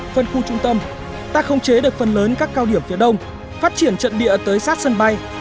phân khu trung tâm ta không chế được phần lớn các cao điểm phía đông phát triển trận địa tới sát sân bay